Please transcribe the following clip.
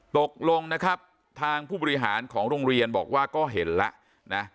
ตกลงนะครับทางผู้บริหารของโรงเรียนบอกว่าก็เห็นแล้วนะ